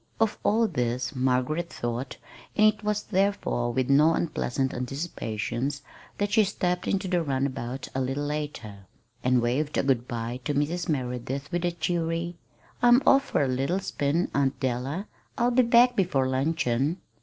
Of all this Margaret thought, and it was therefore with not unpleasant anticipations that she stepped into the runabout a little later, and waved a good bye to Mrs. Merideth, with a cheery: "I'm off for a little spin, Aunt Della. I'll be back before luncheon."